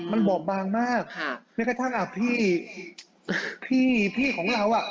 มันบอบบางมากแม้กระทั่งอ่ะพี่พี่ของเราอ่ะ